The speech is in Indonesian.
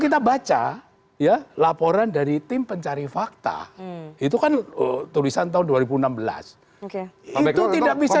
kita baca ya laporan dari tim pencari fakta itu kan tulisan tahun dua ribu enam belas oke itu tidak bisa